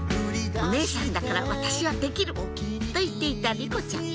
「お姉さんだから私はできる」と言っていた莉子ちゃん